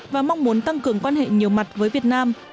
và mong muốn tăng cường quan hệ nhiều mặt với việt nam